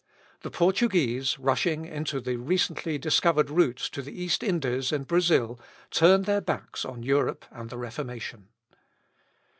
The Portuguese, rushing into the recently discovered routes to the East Indies and Brazil, turned their backs on Europe and the Reformation.